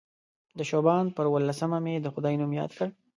د شعبان پر اووه لسمه مې د خدای نوم یاد کړ.